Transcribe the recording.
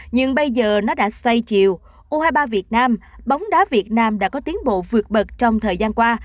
nhưng bây giờ nó đã xoay chiều u hai mươi ba việt nam bóng đá việt nam đã có tiến bộ vượt bật trong thời gian qua